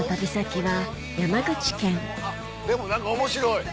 でも何か面白い。